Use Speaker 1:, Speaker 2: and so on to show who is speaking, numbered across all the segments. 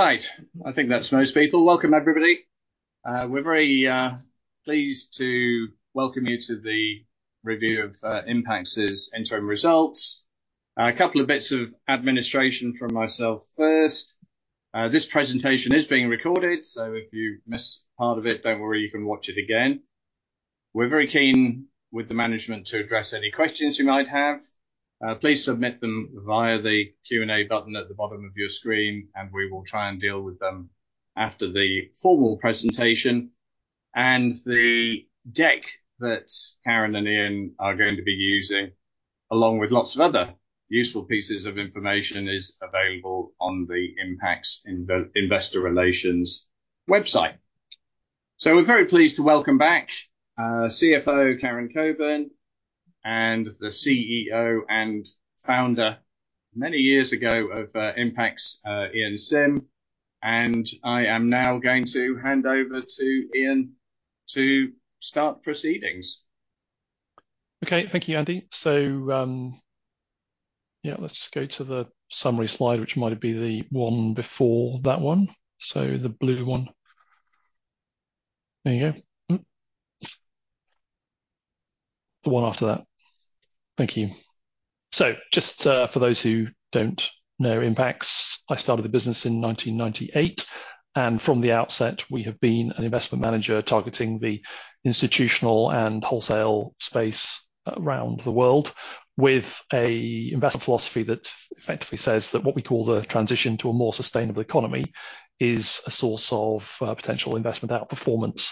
Speaker 1: Right, I think that's most people. Welcome, everybody. We're very pleased to welcome you to the review of Impax's interim results. A couple of bits of administration from myself first. This presentation is being recorded, so if you miss part of it, don't worry, you can watch it again. We're very keen with the management to address any questions you might have. Please submit them via the Q&A button at the bottom of your screen, and we will try and deal with them after the formal presentation. The deck that Karen and Ian are going to be using, along with lots of other useful pieces of information, is available on the Impax investor relations website. We're very pleased to welcome back CFO Karen Cockburn and the CEO and founder many years ago of Impax, Ian Simm. I am now going to hand over to Ian to start proceedings.
Speaker 2: Okay, thank you, Andy. So, yeah, let's just go to the summary slide, which might be the one before that one, so the blue one. There you go. Mm. The one after that. Thank you. So just, for those who don't know Impax, I started the business in 1998, and from the outset, we have been an investment manager targeting the institutional and wholesale space around the world, with a investment philosophy that effectively says that what we call the transition to a more sustainable economy is a source of potential investment outperformance,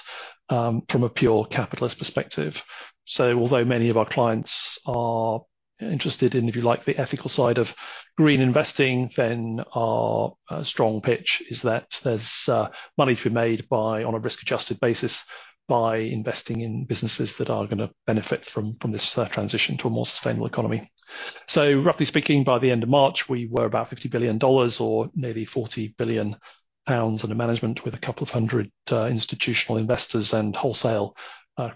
Speaker 2: from a pure capitalist perspective. So although many of our clients are interested in, if you like, the ethical side of green investing, then our strong pitch is that there's money to be made by, on a risk-adjusted basis, by investing in businesses that are gonna benefit from, from this transition to a more sustainable economy. So roughly speaking, by the end of March, we were about $50 billion or nearly 40 billion pounds under management, with a couple of 100 institutional investors and wholesale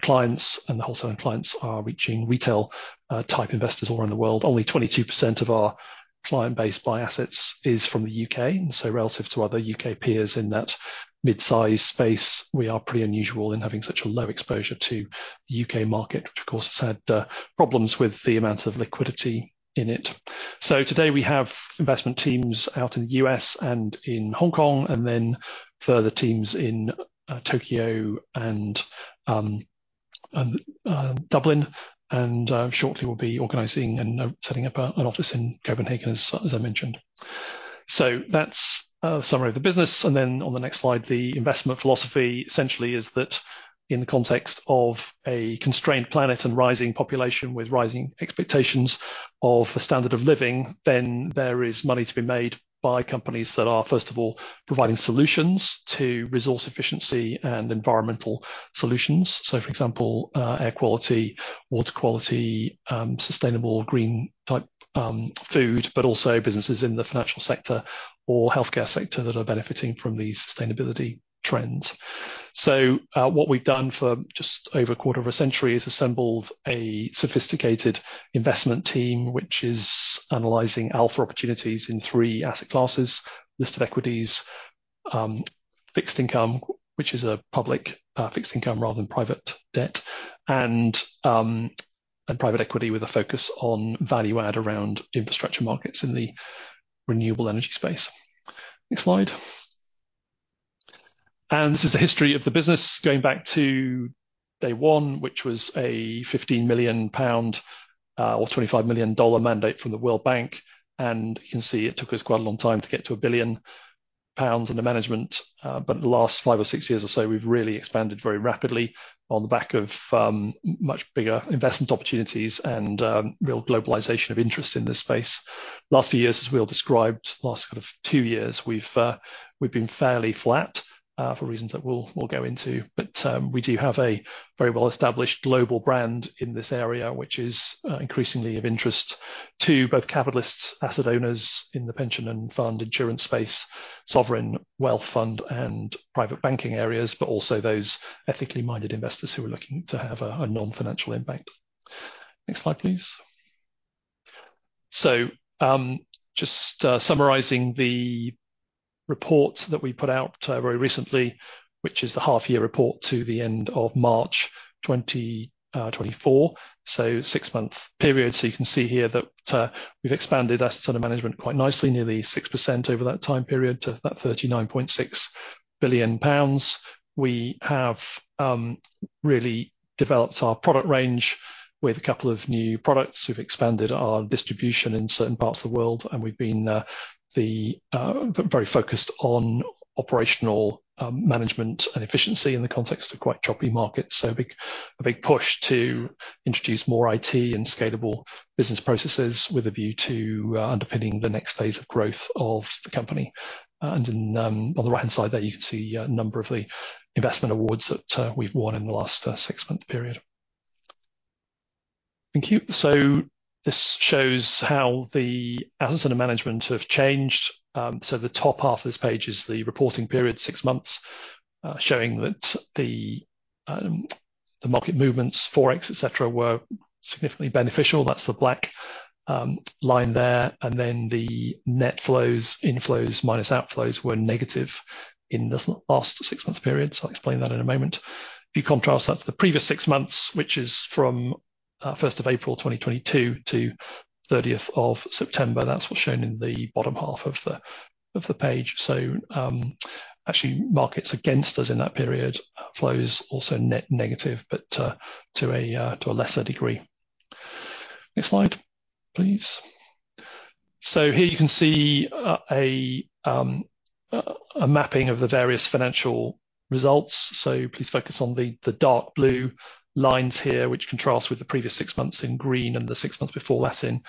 Speaker 2: clients, and the wholesale clients are reaching retail type investors all around the world. Only 22% of our client base by assets is from the U.K., and so relative to other U.K. peers in that mid-size space, we are pretty unusual in having such a low exposure to U.K. market, which of course, has had problems with the amount of liquidity in it. So today we have investment teams out in the U.S. and in Hong Kong, and then further teams in Tokyo and Dublin, and, shortly we'll be organizing and setting up an office in Copenhagen, as I mentioned. So that's a summary of the business, and then on the next slide, the investment philosophy essentially is that in the context of a constrained planet and rising population with rising expectations of a standard of living, then there is money to be made by companies that are, first of all, providing solutions to resource efficiency and environmental solutions. So, for example, air quality, water quality, sustainable green type food, but also businesses in the financial sector or healthcare sector that are benefiting from the sustainability trends. So, what we've done for just over a quarter of a century is assembled a sophisticated investment team, which is analyzing alpha opportunities in three asset classes: listed equities, fixed income, which is a public fixed income rather than private debt, and private equity with a focus on value add around infrastructure markets in the renewable energy space. Next slide. This is the history of the business going back to day one, which was a 15 million pound or $25 million mandate from the World Bank, and you can see it took us quite a long time to get to 1 billion pounds under management. But the last five or six years or so, we've really expanded very rapidly on the back of much bigger investment opportunities and real globalization of interest in this space. Last few years, as we all described, last kind of two years, we've been fairly flat, for reasons that we'll go into, but, we do have a very well-established global brand in this area, which is, increasingly of interest to both capitalists, asset owners in the pension and fund insurance space, sovereign wealth fund and private banking areas, but also those ethically minded investors who are looking to have a, a non-financial impact. Next slide, please. So, just, summarizing the report that we put out, very recently, which is the half year report to the end of March 2024, so six-month period. So you can see here that, we've expanded assets under management quite nicely, nearly 6% over that time period to about 39.6 billion pounds. We have really developed our product range with a couple of new products. We've expanded our distribution in certain parts of the world, and we've been the very focused on operational management and efficiency in the context of quite choppy markets. So a big push to introduce more IT and scalable business processes with a view to underpinning the next phase of growth of the company. And on the right-hand side there, you can see a number of the investment awards that we've won in the last six-month period. Thank you. So this shows how the assets under management have changed. So the top half of this page is the reporting period, six months, showing that the market movements, Forex, et cetera, were significantly beneficial. That's the black line there, and then the net flows, inflows minus outflows, were negative in this last six-month period, so I'll explain that in a moment. If you contrast, that's the previous six months, which is from first of April 2022 to 30th of September. That's what's shown in the bottom half of the page. So actually, markets against us in that period, flows also net negative, but to a lesser degree. Next slide, please. So here you can see a mapping of the various financial results. So please focus on the dark blue lines here, which contrast with the previous six months in green and the six months before that in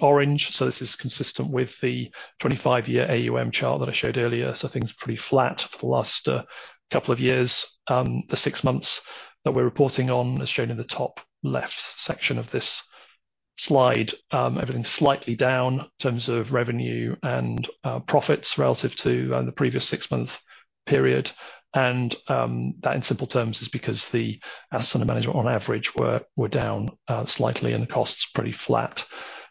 Speaker 2: orange. So this is consistent with the 25-year AUM chart that I showed earlier. So things are pretty flat for the last couple of years. The six months that we're reporting on, as shown in the top left section of this slide, everything's slightly down in terms of revenue and profits relative to the previous six-month period, and that, in simple terms, is because the assets under management on average were down slightly, and the costs pretty flat.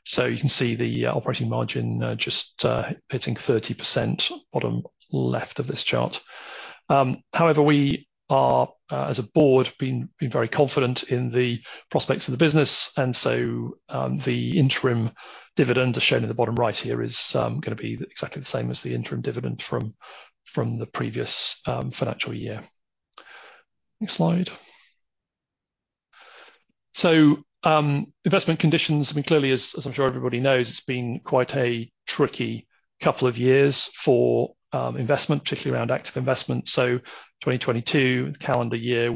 Speaker 2: So you can see the operating margin just hitting 30% bottom left of this chart. However, we are as a board been very confident in the prospects of the business, and so the interim dividend, as shown in the bottom right here, is gonna be the exactly the same as the interim dividend from the previous financial year. Next slide. So, investment conditions, I mean, clearly, as I'm sure everybody knows, it's been quite a tricky couple of years for investment, particularly around active investment. So 2022, the calendar year,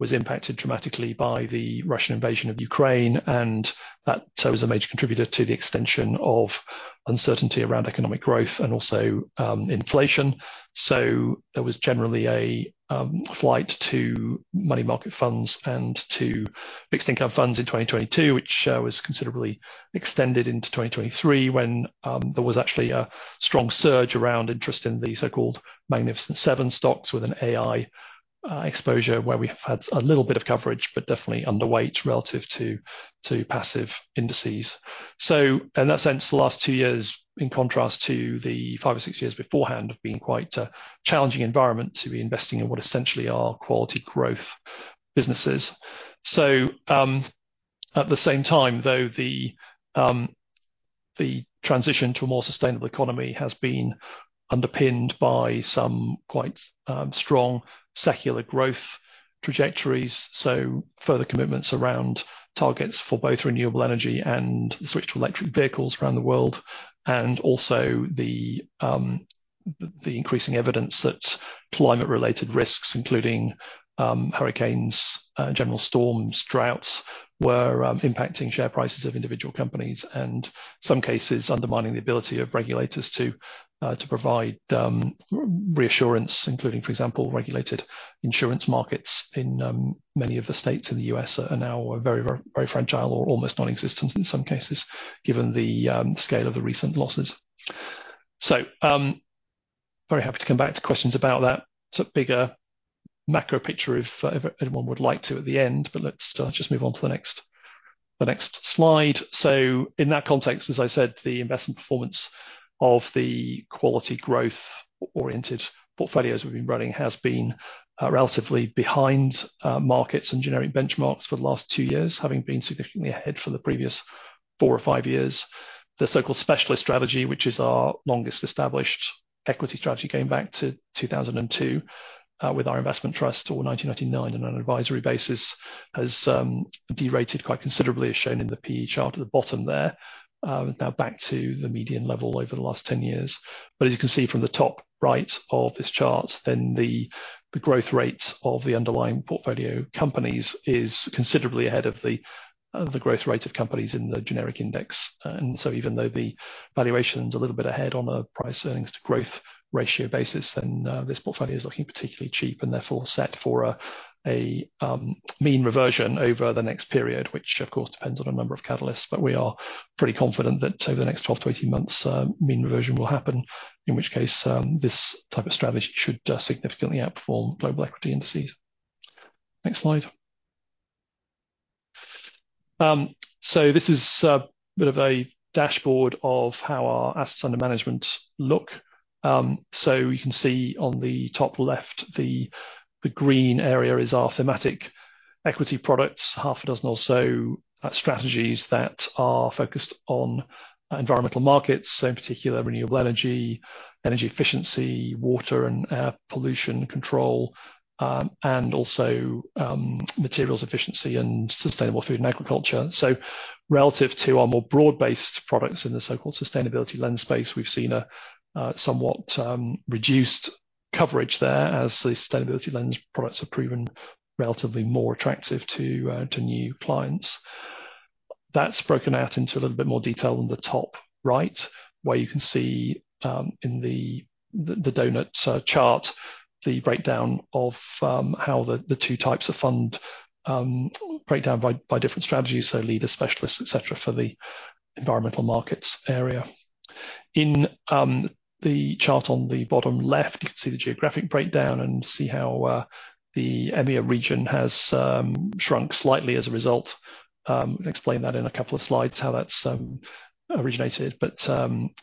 Speaker 2: was impacted dramatically by the Russian invasion of Ukraine, and that so was a major contributor to the extension of uncertainty around economic growth and also inflation. So there was generally a flight to money market funds and to fixed income funds in 2022, which was considerably extended into 2023, when there was actually a strong surge around interest in the so-called Magnificent Seven stocks with an AI exposure, where we've had a little bit of coverage, but definitely underweight relative to passive indices. So in that sense, the last two years, in contrast to the five or six years beforehand, have been quite a challenging environment to be investing in what essentially are quality growth businesses. So, at the same time, though, the transition to a more sustainable economy has been underpinned by some quite strong secular growth trajectories, so further commitments around targets for both renewable energy and the switch to electric vehicles around the world. And also the increasing evidence that climate-related risks, including hurricanes, general storms, droughts, were impacting share prices of individual companies, and some cases undermining the ability of regulators to provide reassurance, including, for example, regulated insurance markets in many of the states in the U.S. are now very, very fragile or almost non-existent in some cases, given the scale of the recent losses. So, very happy to come back to questions about that. It's a bigger macro picture if anyone would like to at the end, but let's just move on to the next slide. So in that context, as I said, the investment performance of the quality growth-oriented portfolios we've been running has been relatively behind markets and generic benchmarks for the last two years, having been significantly ahead for the previous four or five years. The so-called specialist strategy, which is our longest established equity strategy, going back to 2002 with our investment trust, or 1999 on an advisory basis, has derated quite considerably, as shown in the P/E chart at the bottom there, now back to the median level over the last 10 years. But as you can see from the top right of this chart, then the growth rate of the underlying portfolio companies is considerably ahead of the growth rate of companies in the generic index. And so even though the valuation's a little bit ahead on the price earnings to growth ratio basis, then, this portfolio is looking particularly cheap and therefore set for a mean reversion over the next period, which of course depends on a number of catalysts. But we are pretty confident that over the next 12-18 months, mean reversion will happen, in which case, this type of strategy should significantly outperform global equity indices. Next slide. So this is a bit of a dashboard of how our assets under management look. So you can see on the top left, the green area is our thematic equity products, half a dozen or so strategies that are focused on Environmental Markets, so in particular, renewable energy, energy efficiency, water and air pollution control, and also materials efficiency and sustainable food and agriculture. So relative to our more broad-based products in the so-called Sustainability Lens space, we've seen a somewhat reduced coverage there as the Sustainability Lens products have proven relatively more attractive to new clients. That's broken out into a little bit more detail in the top right, where you can see in the donut chart the breakdown of how the two types of fund break down by different strategies, so Leaders, Specialists, et cetera, for the Environmental Markets area. In the chart on the bottom left, you can see the geographic breakdown and see how the EMEA region has shrunk slightly as a result. Explain that in a couple of slides, how that's originated, but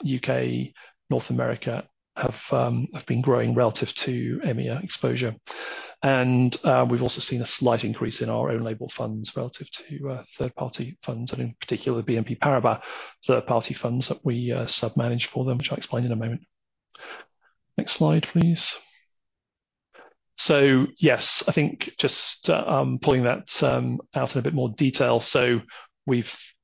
Speaker 2: U.K., North America have been growing relative to EMEA exposure. And we've also seen a slight increase in our own label funds relative to third-party funds, and in particular, BNP Paribas third-party funds that we sub-manage for them, which I'll explain in a moment. Next slide, please. So, yes, I think just pulling that out in a bit more detail. So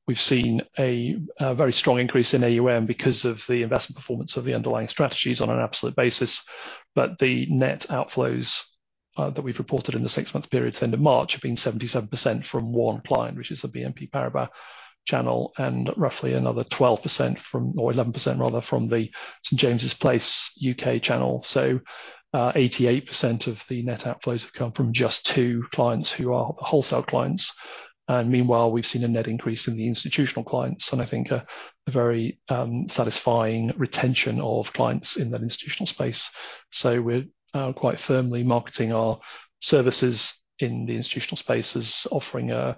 Speaker 2: we've seen a very strong increase in AUM because of the investment performance of the underlying strategies on an absolute basis, but the net outflows that we've reported in the six-month period to the end of March have been 77% from one client, which is a BNP Paribas channel, and roughly another 12% from or 11%, rather, from the St. James's Place U.K. channel. So, 88% of the net outflows have come from just two clients who are wholesale clients, and meanwhile, we've seen a net increase in the institutional clients, and I think a very satisfying retention of clients in that institutional space. So we're quite firmly marketing our services in the institutional space as offering a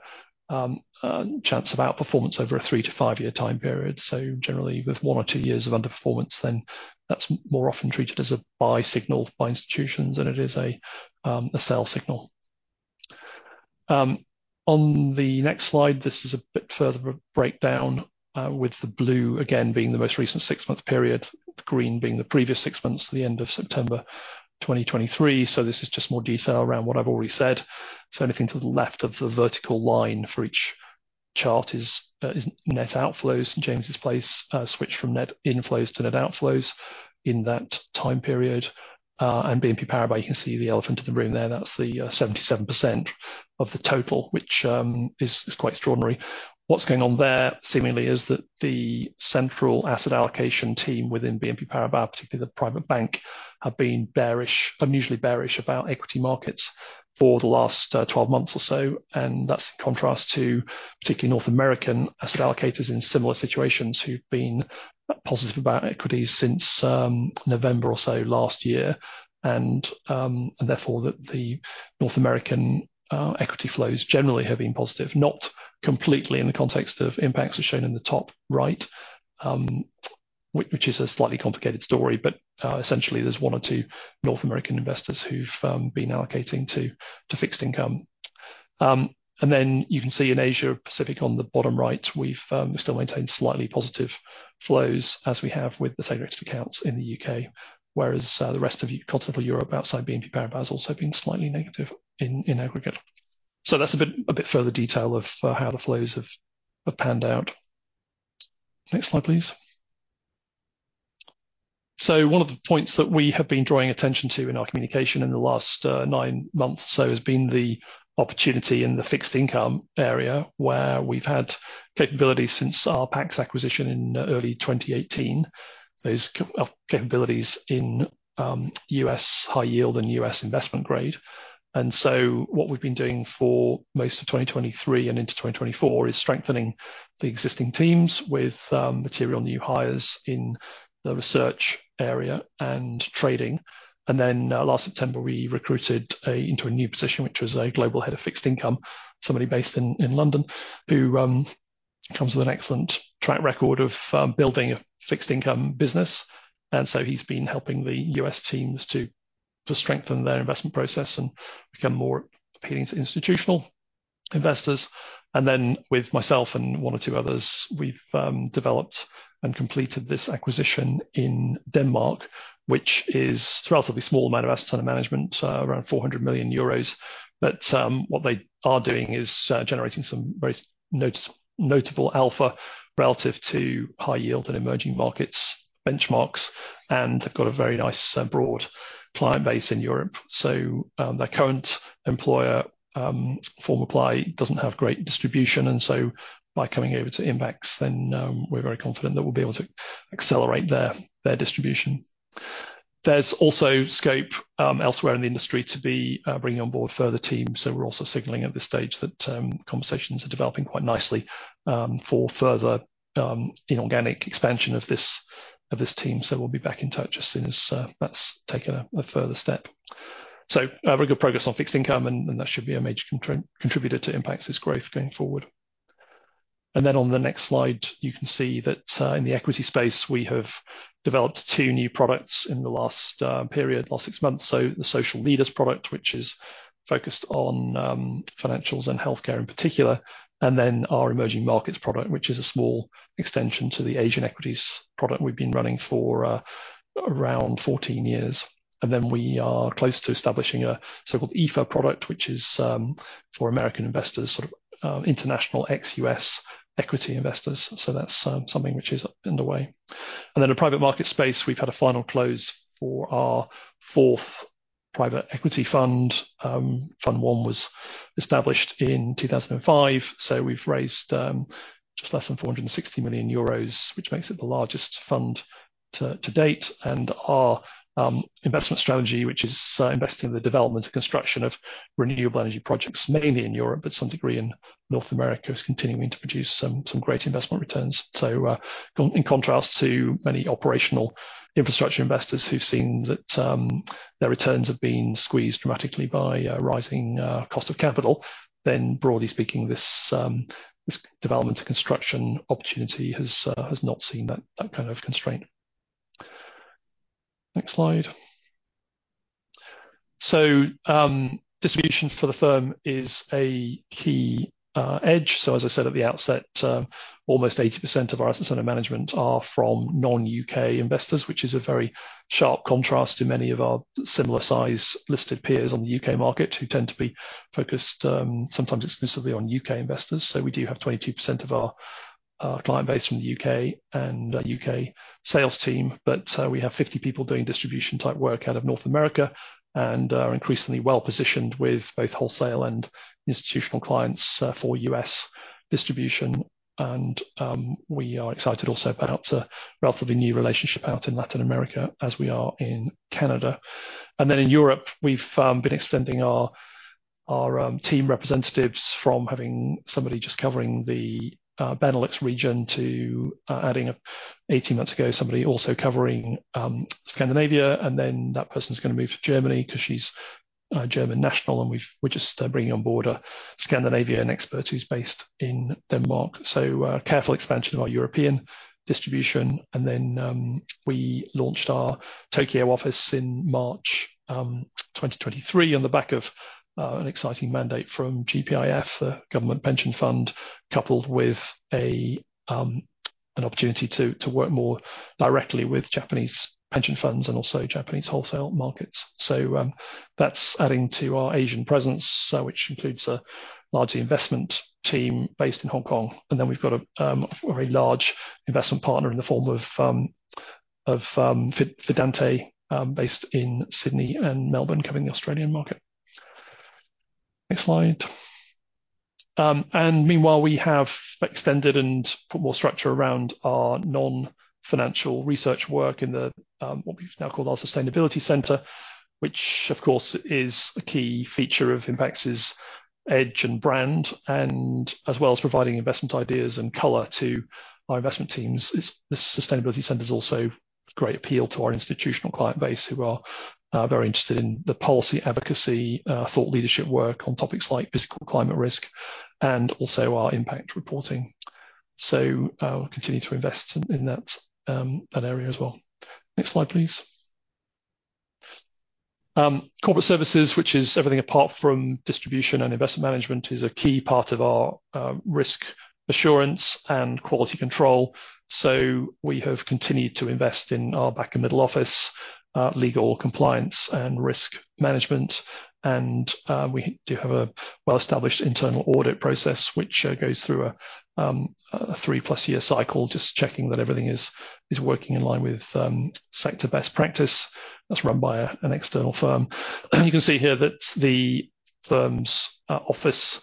Speaker 2: chance of outperformance over a three to five-year time period. So generally, with one or two years of underperformance, then that's more often treated as a buy signal by institutions, than it is a sell signal. On the next slide, this is a bit further of a breakdown, with the blue again being the most recent six-month period, green being the previous six months, the end of September 2023. So this is just more detail around what I've already said. So anything to the left of the vertical line for each chart is net outflows. St. James's Place switched from net inflows to net outflows in that time period. And BNP Paribas, you can see the elephant in the room there. That's the 77% of the total, which is quite extraordinary. What's going on there, seemingly, is that the central asset allocation team within BNP Paribas, particularly the private bank, have been bearish, unusually bearish about equity markets for the last 12 months or so, and that's in contrast to particularly North American asset allocators in similar situations who've been positive about equities since November or so last year. And, and therefore, that the North American equity flows generally have been positive, not completely in the context of Impax as shown in the top right, which is a slightly complicated story, but essentially, there's one or two North American investors who've been allocating to fixed income. And then you can see in Asia Pacific on the bottom right, we've still maintained slightly positive flows, as we have with the separate accounts in the U.K., whereas the rest of continental Europe outside BNP Paribas has also been slightly negative in aggregate. So that's a bit further detail of how the flows have panned out. Next slide, please. So one of the points that we have been drawing attention to in our communication in the last nine months or so has been the opportunity in the fixed income area, where we've had capabilities since our Pax acquisition in early 2018. Those capabilities in U.S. high yield and U.S. investment grade. What we've been doing for most of 2023 and into 2024 is strengthening the existing teams with material new hires in the research area and trading. Last September, we recruited into a new position, which was a global head of fixed income, somebody based in London, who comes with an excellent track record of building a fixed income business. He's been helping the U.S. teams to strengthen their investment process and become more appealing to institutional investors. With myself and one or two others, we've developed and completed this acquisition in Denmark, which is a relatively small amount of assets under management, around 400 million euros. But what they are doing is generating some very notable alpha relative to high yield in emerging markets benchmarks, and they've got a very nice broad client base in Europe. So their current employer, former client, doesn't have great distribution, and so by coming over to Impax, then we're very confident that we'll be able to accelerate their distribution. There's also scope elsewhere in the industry to be bringing on board further teams, so we're also signaling at this stage that conversations are developing quite nicely for further inorganic expansion of this team. So we'll be back in touch as soon as that's taken a further step. So very good progress on fixed income, and that should be a major contributor to Impax's growth going forward. On the next slide, you can see that in the equity space, we have developed two new products in the last period, last six months. So the social leaders product, which is focused on financials and healthcare in particular, and then our emerging markets product, which is a small extension to the Asian equities product we've been running for around 14 years. And then we are close to establishing a so-called EAFE product, which is for American investors, sort of, international ex-U.S. equity investors. So that's something which is underway. And then in private market space, we've had a final close for our fourth private equity fund. Fund one was established in 2005, so we've raised just less than 460 million euros, which makes it the largest fund. To date, and our investment strategy, which is investing in the development and construction of renewable energy projects, mainly in Europe, but some degree in North America, is continuing to produce some great investment returns. So, in contrast to many operational infrastructure investors who've seen that their returns have been squeezed dramatically by rising cost of capital, then broadly speaking, this development and construction opportunity has not seen that kind of constraint. Next slide. So, distribution for the firm is a key edge. So as I said at the outset, almost 80% of our assets under management are from non-U.K. investors, which is a very sharp contrast to many of our similar size listed peers on the U.K. market, who tend to be focused, sometimes exclusively on U.K. investors. So we do have 22% of our client base from the U.K. and a U.K. sales team, but we have 50 people doing distribution-type work out of North America, and are increasingly well-positioned with both wholesale and institutional clients for U.S. distribution. And we are excited also about a relatively new relationship out in Latin America as we are in Canada. And then in Europe, we've been extending our team representatives from having somebody just covering the Benelux region to adding 18 months ago somebody also covering Scandinavia, and then that person's gonna move to Germany 'cause she's a German national, and we're just bringing on board a Scandinavian expert who's based in Denmark. So, careful expansion of our European distribution, and then, we launched our Tokyo office in March 2023, on the back of an exciting mandate from GPIF, the government pension fund, coupled with an opportunity to work more directly with Japanese pension funds and also Japanese wholesale markets. So, that's adding to our Asian presence, which includes a large investment team based in Hong Kong. And then we've got a very large investment partner in the form of Fidante, based in Sydney and Melbourne, covering the Australian market. Next slide. And meanwhile, we have extended and put more structure around our non-financial research work in the what we've now called our Sustainability Centre, which of course is a key feature of Impax's edge and brand, and as well as providing investment ideas and color to our investment teams, this Sustainability Centre is also of great appeal to our institutional client base, who are very interested in the policy advocacy thought leadership work on topics like physical climate risk, and also our impact reporting. So, we'll continue to invest in that area as well. Next slide, please. Corporate services, which is everything apart from distribution and investment management, is a key part of our risk assurance and quality control. So we have continued to invest in our back and middle office, legal, compliance, and risk management, and we do have a well-established internal audit process, which goes through a three-plus year cycle, just checking that everything is working in line with sector best practice. That's run by an external firm. You can see here that the firm's office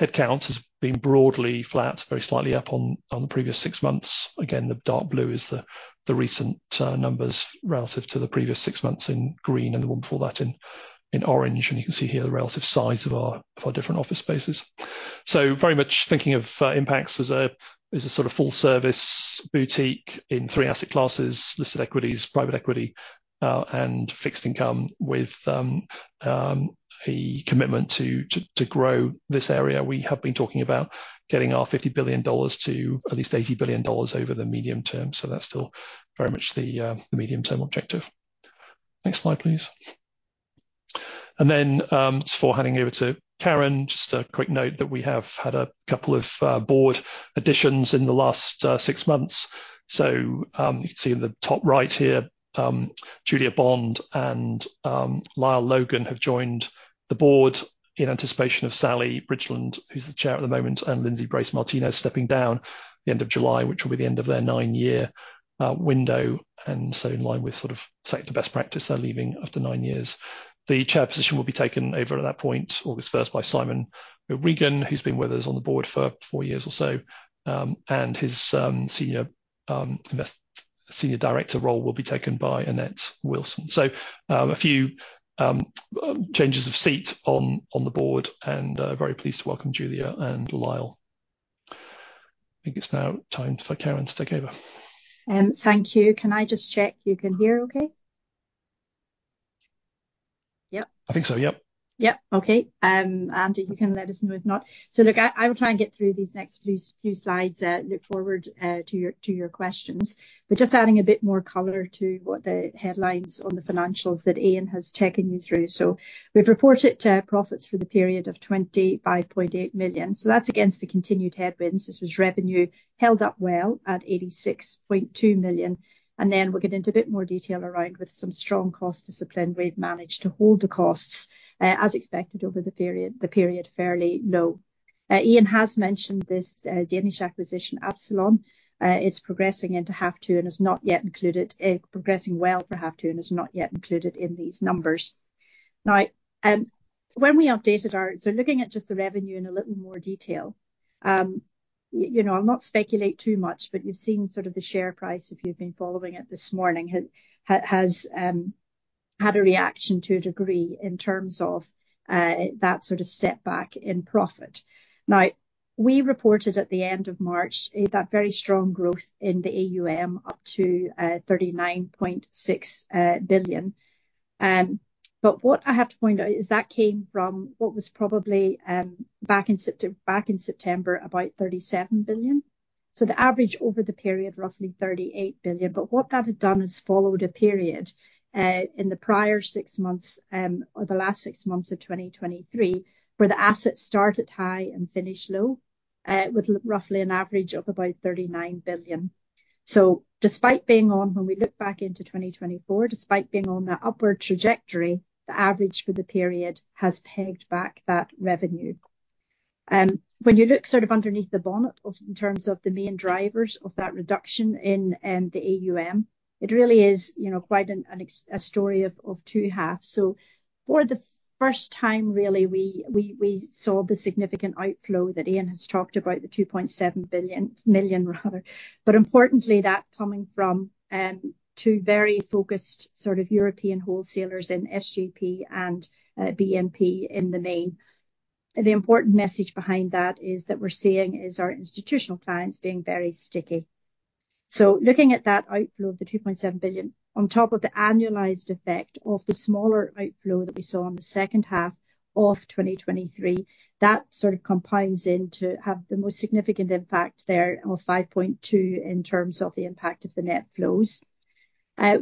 Speaker 2: headcount has been broadly flat, very slightly up on the previous six months. Again, the dark blue is the recent numbers relative to the previous six months in green and the one before that in orange. And you can see here the relative size of our different office spaces. So very much thinking of Impax as a, as a sort of full service boutique in three asset classes: listed equities, private equity, and fixed income, with a commitment to grow this area. We have been talking about getting our $50 billion to at least $80 billion over the medium term, so that's still very much the medium-term objective. Next slide, please. And then, just before handing over to Karen, just a quick note that we have had a couple of board additions in the last six months. So, you can see in the top right here, Julia Bond and Lyle Logan have joined the board in anticipation of Sally Bridgeland, who's the Chair at the moment, and Lindsey Brace Martinez stepping down the end of July, which will be the end of their nine-year window, and so in line with sort of sector best practice, they're leaving after nine years. The Chair position will be taken over at that point, August first, by Simon O'Regan, who's been with us on the board for four years or so, and his Senior Independent Director role will be taken by Annette Wilson. So, a few changes of seat on the board, and very pleased to welcome Julia and Lyle. I think it's now time for Karen to take over.
Speaker 3: Thank you. Can I just check you can hear okay? Yep.
Speaker 2: I think so, yep.
Speaker 3: Yep, okay. Andy, you can let us know if not. So look, I, I will try and get through these next few, few slides, look forward, to your, to your questions. But just adding a bit more color to what the headlines on the financials that Ian has taken you through. So we've reported profits for the period of 25.8 million. So that's against the continued headwinds. This was revenue held up well at 86.2 million, and then we'll get into a bit more detail around with some strong cost discipline. We've managed to hold the costs, as expected over the period, the period, fairly low. Ian has mentioned this Danish acquisition, Absalon. It's progressing into half two and is not yet included, progressing well for half two and is not yet included in these numbers. Now, so looking at just the revenue in a little more detail, you know, I'll not speculate too much, but you've seen sort of the share price, if you've been following it this morning, has had a reaction to a degree in terms of that sort of setback in profit. Now, we reported at the end of March that very strong growth in the AUM up to 39.6 billion. But what I have to point out is that came from what was probably back in September, about 37 billion. So the average over the period, roughly 38 billion. What that had done is followed a period in the prior six months or the last six months of 2023, where the assets started high and finished low with roughly an average of about 39 billion. So despite being on, when we look back into 2024, despite being on that upward trajectory, the average for the period has pegged back that revenue. When you look sort of underneath the bonnet of, in terms of the main drivers of that reduction in the AUM, it really is, you know, quite a story of two halves. So for the first time, really, we saw the significant outflow that Ian has talked about, the 2.7 million. But importantly, that coming from two very focused, sort of European wholesalers in SJP and BNP in the main. The important message behind that is that we're seeing our institutional clients being very sticky. So looking at that outflow of 2.7 billion, on top of the annualized effect of the smaller outflow that we saw in the second half of 2023, that sort of compounds into have the most significant impact there of 5.2 in terms of the impact of the net flows.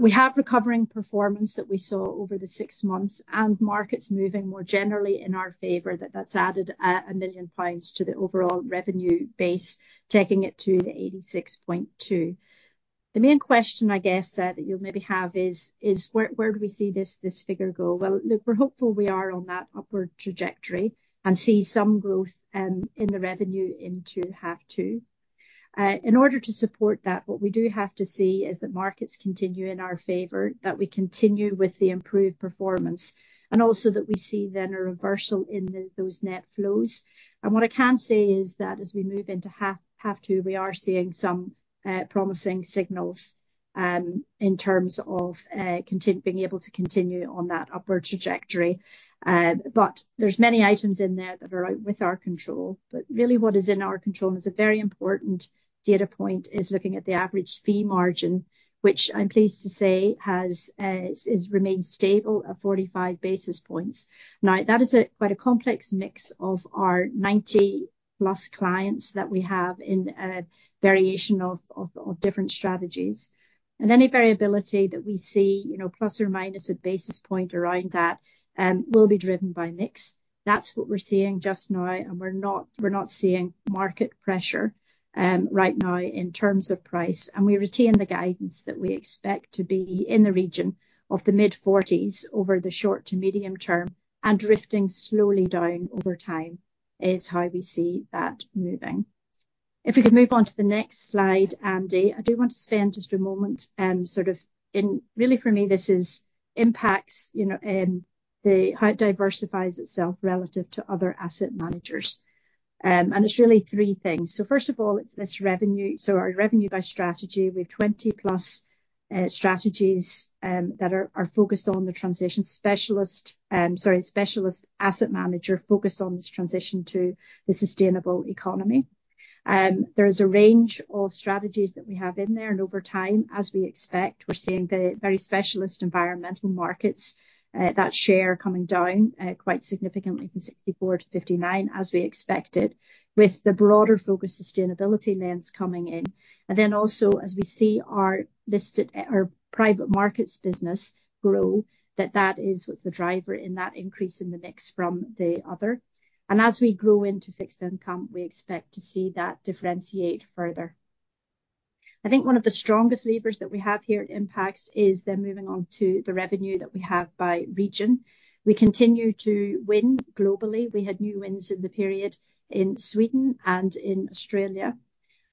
Speaker 3: We have recovering performance that we saw over the six months, and markets moving more generally in our favor, that's added a million pounds to the overall revenue base, taking it to 86.2. The main question, I guess, that you'll maybe have is where do we see this figure go? Well, look, we're hopeful we are on that upward trajectory and see some growth in the revenue into half two. In order to support that, what we do have to see is that markets continue in our favor, that we continue with the improved performance, and also that we see then a reversal in those net flows. What I can say is that as we move into half two, we are seeing some promising signals in terms of being able to continue on that upward trajectory. But there's many items in there that are out with our control. But really, what is in our control, and is a very important data point, is looking at the average fee margin, which I'm pleased to say has is remained stable at 45 basis points. Now, that is quite a complex mix of our 90+ clients that we have in a variation of different strategies. And any variability that we see, you know, plus or minus a basis point around that, will be driven by mix. That's what we're seeing just now, and we're not, we're not seeing market pressure right now in terms of price, and we retain the guidance that we expect to be in the region of the mid-40s over the short to medium term, and drifting slowly down over time, is how we see that moving. If we could move on to the next slide, Andy, I do want to spend just a moment. Really, for me, this is Impax's, you know, the how it diversifies itself relative to other asset managers. And it's really three things. So first of all, it's this revenue. So our revenue by strategy, we have 20+ strategies that are focused on the transition specialist asset manager focused on this transition to the sustainable economy. There is a range of strategies that we have in there, and over time, as we expect, we're seeing the very specialist Environmental Markets that share coming down quite significantly from 64 to 59, as we expected, with the broader focused Sustainability Lens coming in. And then also, as we see our listed, our private markets business grow, that that is what the driver in that increase in the mix from the other. And as we grow into fixed income, we expect to see that differentiate further. I think one of the strongest levers that we have here at Impax is then moving on to the revenue that we have by region. We continue to win globally. We had new wins in the period in Sweden and in Australia.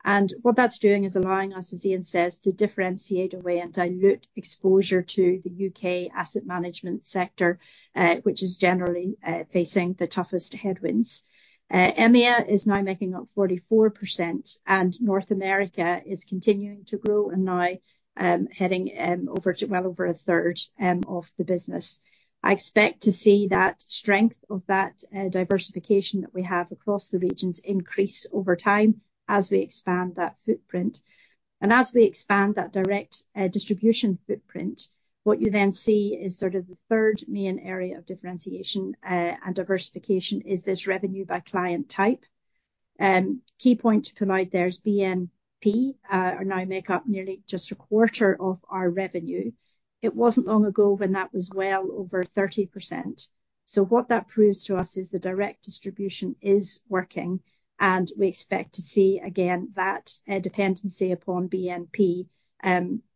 Speaker 3: And what that's doing is allowing us, as Ian says, to differentiate away and dilute exposure to the U.K. asset management sector, which is generally, facing the toughest headwinds. EMEA is now making up 44%, and North America is continuing to grow and now, heading, over to, well over a third, of the business. I expect to see that strength of that diversification that we have across the regions increase over time as we expand that footprint. And as we expand that direct distribution footprint, what you then see is sort of the third main area of differentiation and diversification is this revenue by client type. Key point to pull out there is BNP are now make up nearly just a quarter of our revenue. It wasn't long ago when that was well over 30%. So what that proves to us is the direct distribution is working, and we expect to see again that dependency upon BNP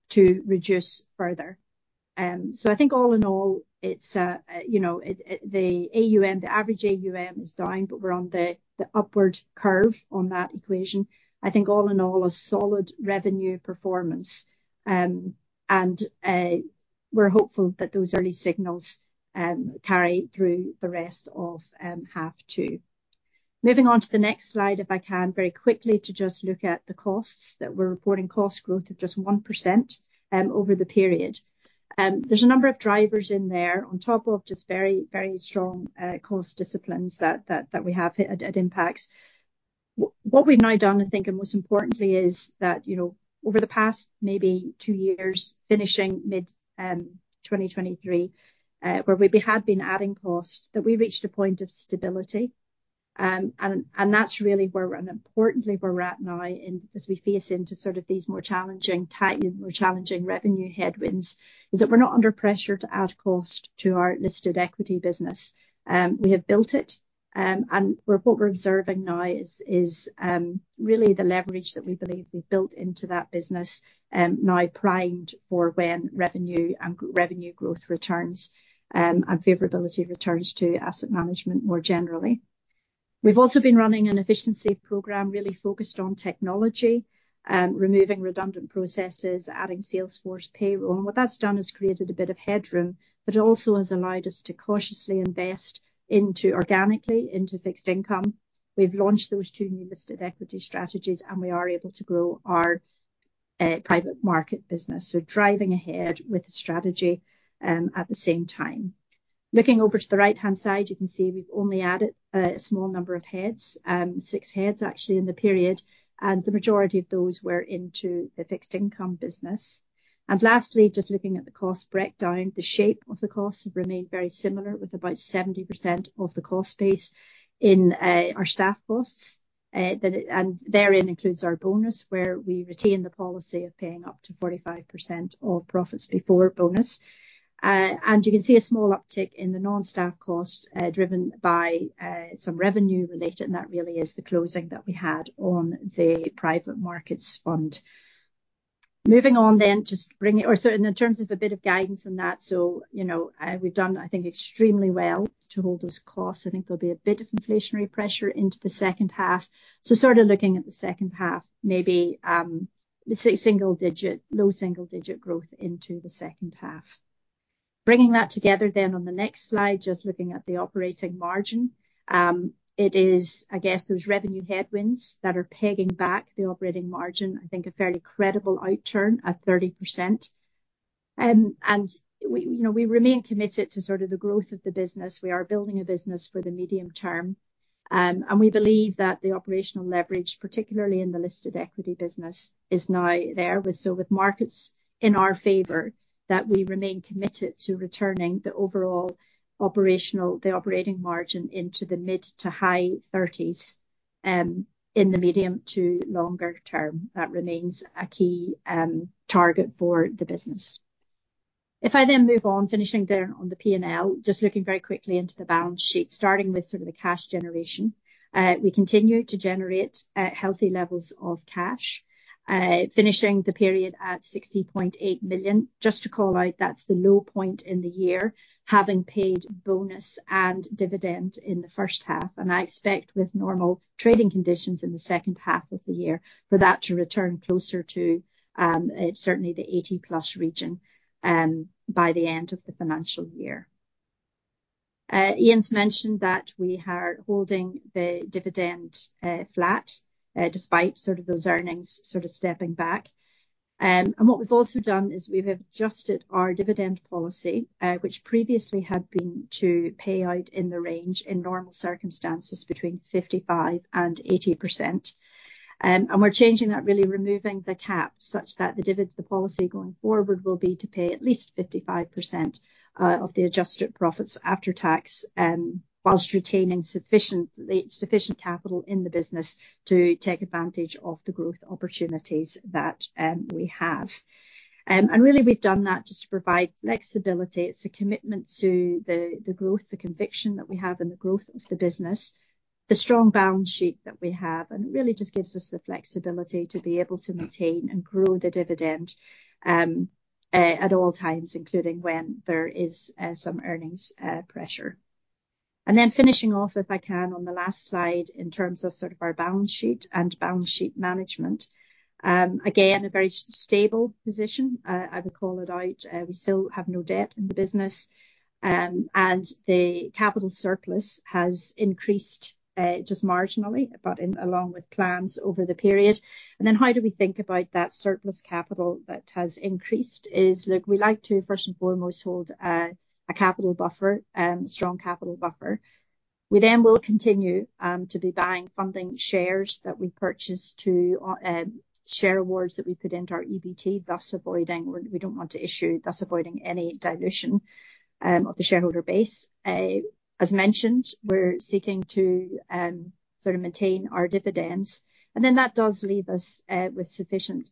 Speaker 3: to reduce further. So I think all in all, it's you know it, it, the AUM, the average AUM is down, but we're on the upward curve on that equation. I think all in all, a solid revenue performance. We're hopeful that those early signals carry through the rest of half two. Moving on to the next slide, if I can, very quickly, to just look at the costs, that we're reporting cost growth of just 1%, over the period. There's a number of drivers in there on top of just very, very strong cost disciplines that we have here at Impax. What we've now done, I think, and most importantly, is that, you know, over the past maybe two years, finishing mid 2023, where we had been adding cost, that we reached a point of stability. That's really where we're, and importantly, where we're at now in, as we face into sort of these more challenging, tight, more challenging revenue headwinds, is that we're not under pressure to add cost to our listed equity business. We have built it, and what we're observing now is really the leverage that we believe we've built into that business, now primed for when revenue growth returns, and favorability returns to asset management more generally. We've also been running an efficiency program really focused on technology, removing redundant processes, adding Salesforce payroll. What that's done is created a bit of headroom, but it also has allowed us to cautiously invest organically into fixed income. We've launched those two new listed equity strategies, and we are able to grow our private market business, so driving ahead with the strategy at the same time. Looking over to the right-hand side, you can see we've only added a small number of heads, six heads, actually, in the period, and the majority of those were into the fixed income business. Lastly, just looking at the cost breakdown, the shape of the costs have remained very similar, with about 70% of the cost base in our staff costs. And therein includes our bonus, where we retain the policy of paying up to 45% of profits before bonus. And you can see a small uptick in the non-staff costs, driven by some revenue related, and that really is the closing that we had on the private markets fund. Moving on then, just bring it-- or so and in terms of a bit of guidance on that, so, you know, we've done, I think, extremely well to hold those costs. I think there'll be a bit of inflationary pressure into the second half. So sort of looking at the second half, maybe, single digit, low single digit growth into the second half. Bringing that together then on the next slide, just looking at the operating margin. It is, I guess, those revenue headwinds that are pegging back the operating margin. I think a fairly credible outturn at 30%. And we, you know, we remain committed to sort of the growth of the business. We are building a business for the medium term. And we believe that the operational leverage, particularly in the listed equity business, is now there. With markets in our favor, we remain committed to returning the overall operational, the operating margin into the mid- to high-30s%, in the medium to longer term. That remains a key target for the business. If I then move on, finishing there on the P&L, just looking very quickly into the balance sheet, starting with sort of the cash generation. We continue to generate healthy levels of cash, finishing the period at 60.8 million. Just to call out, that's the low point in the year, having paid bonus and dividend in the first half. And I expect with normal trading conditions in the second half of the year, for that to return closer to, certainly the 80+ region, by the end of the financial year. Ian's mentioned that we are holding the dividend, flat, despite sort of those earnings sort of stepping back. And what we've also done is we've adjusted our dividend policy, which previously had been to pay out in the range, in normal circumstances, between 55% and 80%. And we're changing that, really removing the cap, such that the policy going forward will be to pay at least 55%, of the adjusted profits after tax, whilst retaining sufficient, sufficient capital in the business to take advantage of the growth opportunities that, we have. And really we've done that just to provide flexibility. It's a commitment to the growth, the conviction that we have in the growth of the business, the strong balance sheet that we have, and it really just gives us the flexibility to be able to maintain and grow the dividend at all times, including when there is some earnings pressure. And then finishing off, if I can, on the last slide, in terms of sort of our balance sheet and balance sheet management. Again, a very stable position, I would call it out. We still have no debt in the business, and the capital surplus has increased just marginally, but in, along with plans over the period. And then how do we think about that surplus capital that has increased? Look, we like to, first and foremost, hold a capital buffer, strong capital buffer. We then will continue to be buying, funding shares that we purchase to share awards that we put into our EBT, thus avoiding, we don't want to issue, thus avoiding any dilution of the shareholder base. As mentioned, we're seeking to sort of maintain our dividends, and then that does leave us with sufficient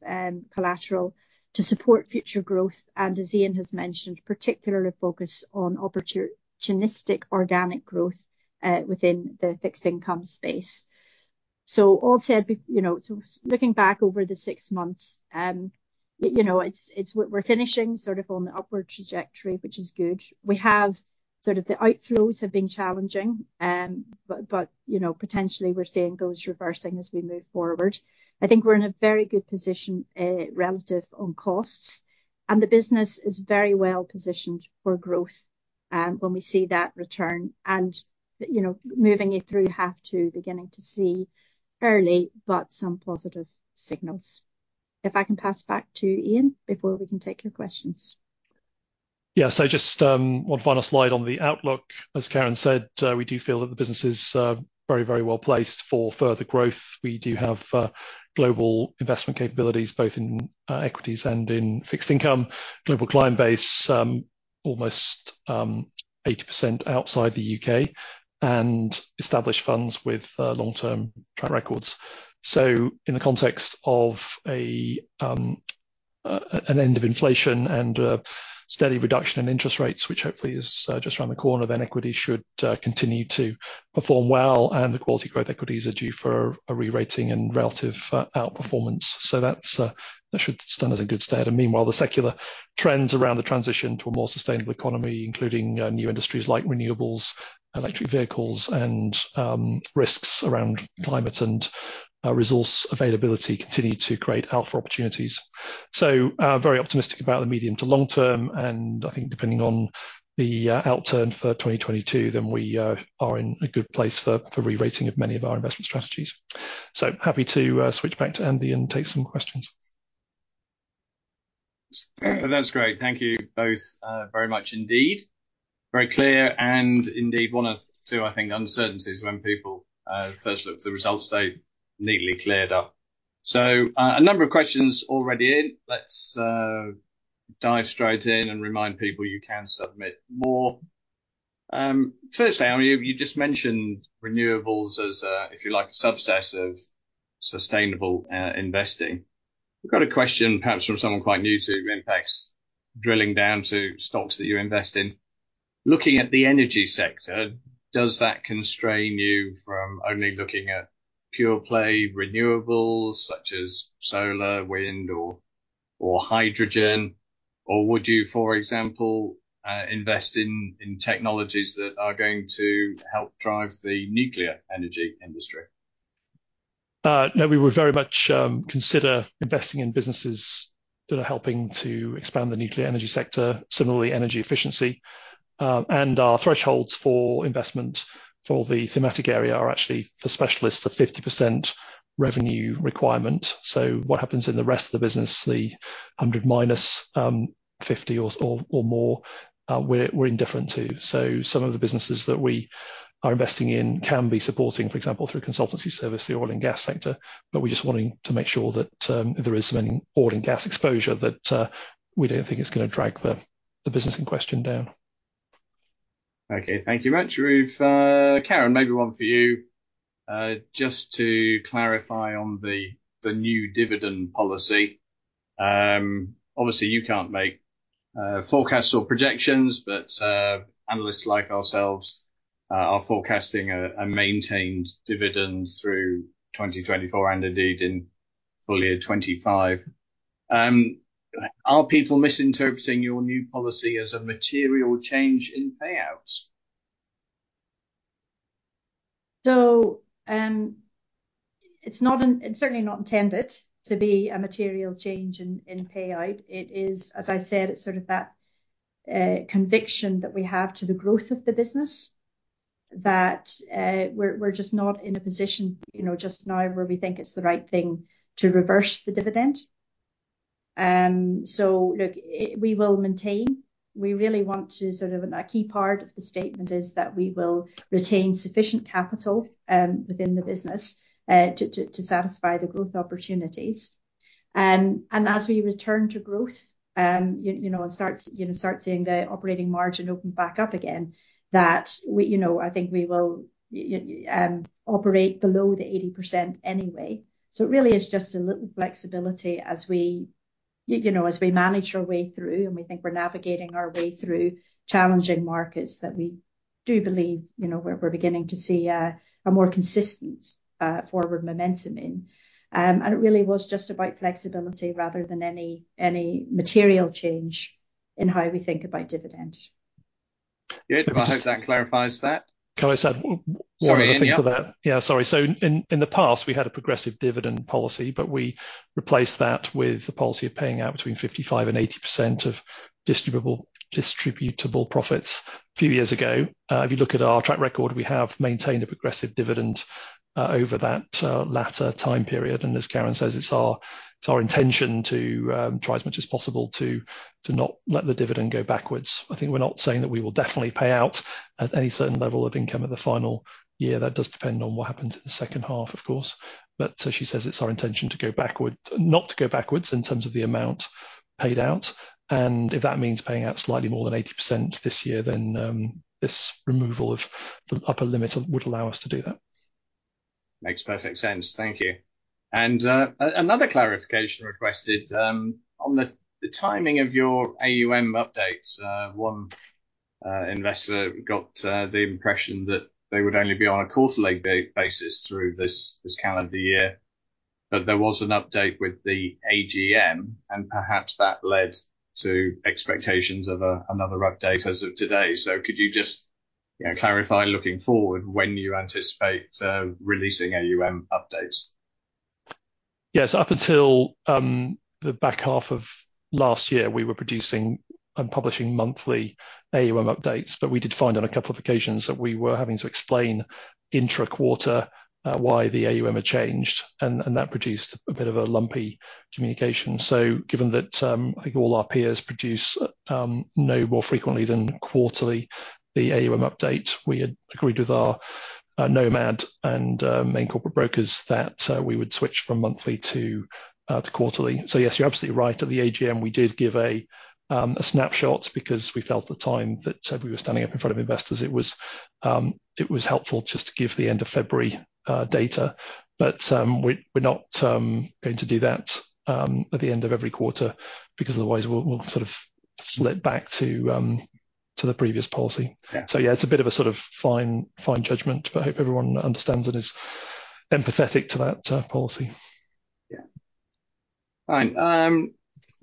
Speaker 3: collateral to support future growth. And as Ian has mentioned, particularly focus on opportunistic organic growth within the fixed income space. So all said, you know, so looking back over the six months, you know, it's... We're finishing sort of on the upward trajectory, which is good. We have sort of the outflows have been challenging, but you know, potentially we're seeing those reversing as we move forward. I think we're in a very good position relative on costs, and the business is very well positioned for growth when we see that return. And, you know, moving it through half two, beginning to see early, but some positive signals. If I can pass back to Ian before we can take your questions.
Speaker 2: Yeah, so just, one final slide on the outlook. As Karen said, we do feel that the business is, very, very well placed for further growth. We do have, global investment capabilities, both in, equities and in fixed income. Global client base, almost, 80% outside the U.K., and established funds with, long-term track records. So in the context of a, an end of inflation and a steady reduction in interest rates, which hopefully is, just around the corner, then equities should, continue to perform well, and the quality growth equities are due for a rerating and relative, outperformance. So that's, that should stand us in good stead. And meanwhile, the secular trends around the transition to a more sustainable economy, including new industries like renewables, electric vehicles, and risks around climate and resource availability, continue to create alpha opportunities. So, very optimistic about the medium to long term, and I think depending on the outturn for 2022, then we are in a good place for rerating of many of our investment strategies. So happy to switch back to Andy and take some questions.
Speaker 1: That's great. Thank you both, very much indeed. Very clear and indeed, one of two, I think, uncertainties when people, first look at the results, they neatly cleared up. So, a number of questions already in. Let's, dive straight in and remind people you can submit more. Firstly, I mean, you just mentioned renewables as a, if you like, a subset of sustainable, investing. We've got a question, perhaps from someone quite new to Impax, drilling down to stocks that you invest in. Looking at the energy sector, does that constrain you from only looking at pure play renewables such as solar, wind, or, or hydrogen? Or would you, for example, invest in, in technologies that are going to help drive the nuclear energy industry?
Speaker 2: No, we would very much consider investing in businesses that are helping to expand the nuclear energy sector, similarly, energy efficiency. And our thresholds for investment for the thematic area are actually, for specialists, a 50% revenue requirement. So what happens in the rest of the business, the 100 minus 50 or more, we're indifferent to. So some of the businesses that we are investing in can be supporting, for example, through consultancy service, the oil and gas sector, but we're just wanting to make sure that if there is any oil and gas exposure, that we don't think it's gonna drag the business in question down.
Speaker 1: Okay, thank you very much, Ruth. Karen, maybe one for you. Just to clarify on the new dividend policy, obviously, you can't make forecasts or projections, but analysts like ourselves are forecasting a maintained dividend through 2024, and indeed in full year 2025. Are people misinterpreting your new policy as a material change in payouts?
Speaker 3: So, it's certainly not intended to be a material change in payout. It is, as I said, sort of that conviction that we have to the growth of the business, that we're just not in a position, you know, just now, where we think it's the right thing to reverse the dividend. So look, we will maintain. We really want to sort of a key part of the statement is that we will retain sufficient capital within the business to satisfy the growth opportunities. And as we return to growth, you know, and start seeing the operating margin open back up again, that we, you know, I think we will operate below the 80% anyway. So it really is just a little flexibility as we, you know, as we manage our way through, and we think we're navigating our way through challenging markets that we do believe, you know, we're beginning to see a more consistent forward momentum in. And it really was just about flexibility rather than any material change in how we think about dividend.
Speaker 1: Good. Well, I hope that clarifies that.
Speaker 2: Can I just add one more thing to that?
Speaker 1: Sorry, yeah.
Speaker 2: Yeah, sorry. So in the past, we had a progressive dividend policy, but we replaced that with a policy of paying out between 55% and 80% of distributable profits a few years ago. If you look at our track record, we have maintained a progressive dividend over that latter time period, and as Karen says, it's our intention to try as much as possible to not let the dividend go backwards. I think we're not saying that we will definitely pay out at any certain level of income at the final year. That does depend on what happens in the second half, of course. But as she says, it's our intention to go backward, not to go backwards in terms of the amount paid out, and if that means paying out slightly more than 80% this year, then this removal of the upper limit would allow us to do that.
Speaker 1: Makes perfect sense. Thank you. And another clarification requested on the timing of your AUM updates. One investor got the impression that they would only be on a quarterly basis through this calendar year, but there was an update with the AGM, and perhaps that led to expectations of another update as of today. So could you just, you know, clarify, looking forward, when you anticipate releasing AUM updates? Yes. Up until the back half of last year, we were publishing monthly AUM updates, but we did find on a couple of occasions that we were having to explain intra-quarter why the AUM had changed, and that produced a bit of a lumpy communication. So given that, I think all our peers produce no more frequently than quarterly the AUM update. We had agreed with our Nomad and main corporate brokers that we would switch from monthly to quarterly. So yes, you're absolutely right. At the AGM, we did give a snapshot because we felt at the time that we were standing up in front of investors, it was helpful just to give the end of February data. But, we're not going to do that at the end of every quarter because otherwise, we'll sort of slip back to the previous policy. Yeah.
Speaker 2: So yeah, it's a bit of a sort of fine, fine judgment, but I hope everyone understands and is empathetic to that policy.
Speaker 1: Yeah. Fine.